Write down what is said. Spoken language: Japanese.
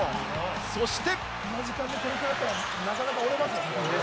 そして。